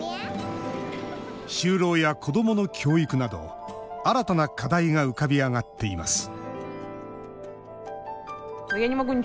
就労や子どもの教育など新たな課題が浮かび上がっています